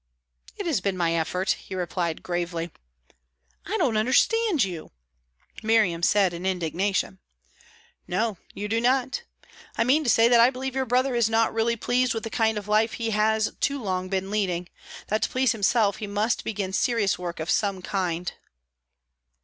"It has been my effort," he replied gravely. "I don't understand you," Miriam said, in indignation. "No, you do not. I mean to say that I believe your brother is not really pleased with the kind of life he has too long been leading; that to please himself he must begin serious work of some kind."